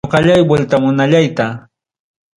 Ñoqallay vueltamunallayta.